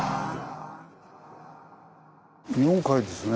日本海ですね。